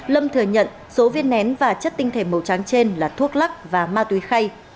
lâm thừa nhận số viên nén và chất tinh thể màu trắng trên là thuốc lắc và ma túy khay